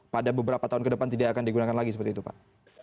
pada beberapa tahun ke depan tidak akan digunakan lagi seperti itu pak